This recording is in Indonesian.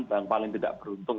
yang paling tidak beruntung